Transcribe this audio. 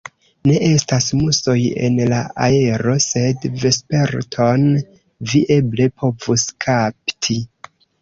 Ne estas musoj en la aero, sed vesperton vi eble povus kapti.